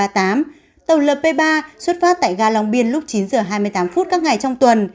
tàu lp ba xuất phát tại ga long biên lúc chín h hai mươi tám phút các ngày trong tuần